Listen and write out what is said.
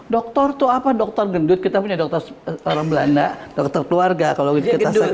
dokter dokter tuh apa dokter gendut kita punya dokter dokter belanda dokter keluarga kalau kita